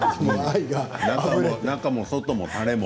中も外も、たれも。